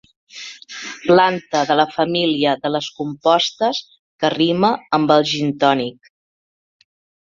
Planta de la família de les compostes que rima amb el gintònic.